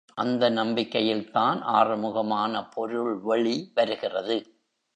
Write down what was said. அந்த நம்பிக்கையில்தான் ஆறுமுகமான பொருள் வெளி வருகிறது.